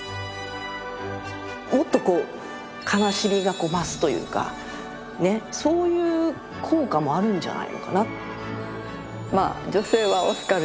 もっとこう悲しみが増すというかそういう効果もあるんじゃないのかな。